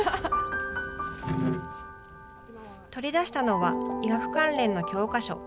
取り出したのは医学関連の教科書。